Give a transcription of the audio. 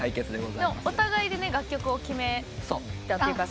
お互いで楽曲を決めた。